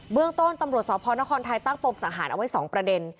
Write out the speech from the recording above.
เรื่องต้นตำรวจสพนครไทยตั้งปมสังหารเอาไว้๒ประเด็น